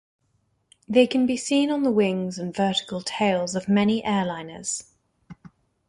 They can be seen on the wings and vertical tails of many airliners.